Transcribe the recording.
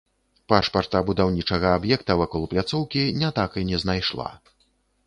Пашпарта будаўнічага аб'екта вакол пляцоўкі не так і не знайшла.